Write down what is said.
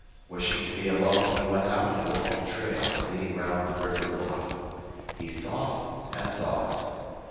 Wishing to be alone, he went out and walked a trail leading round the river bluff. He thought and thought.